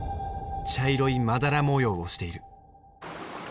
茶色いまだら模様をしている。